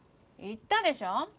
言ったでしょう？